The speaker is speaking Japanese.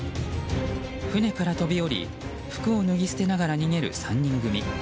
船から飛び降り服を脱ぎ捨てながら逃げる３人組。